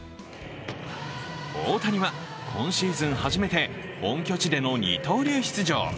大谷は今シーズン初めて本拠地での二刀流出場。